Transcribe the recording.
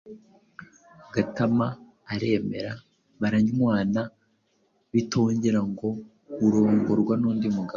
Gatama aremera baranywana. Bitongera ngo Urongorwa n’undi mugabo